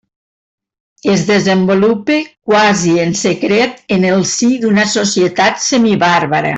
Es desenvolupa quasi en secret en el si d'una societat semibàrbara.